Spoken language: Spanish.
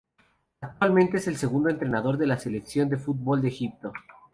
Actualmente es segundo entrenador de la Selección de fútbol de Egipto.